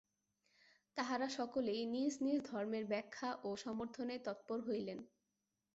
তাঁহারা সকলেই নিজ নিজ ধর্মের ব্যাখ্যা ও সমর্থনে তৎপর হইলেন।